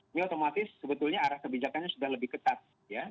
ini otomatis sebetulnya arah kebijakannya sudah lebih ketat